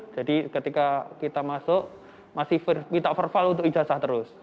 jadi ketika kita masuk masih minta verval untuk ijazah terus